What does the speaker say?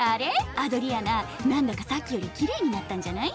アドリアナなんだかさっきよりきれいになったんじゃない？